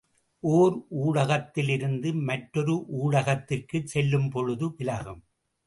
ஒர் ஊடகத்திலிருந்து மற்றொரு ஊடகத்திற்குச் செல்லும்பொழுது விலகும்.